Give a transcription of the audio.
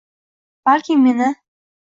Balki meni